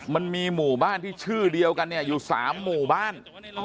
มันมีหมู่บ้านที่ชื่อเดียวกันเนี่ยอยู่๓หมู่บ้าน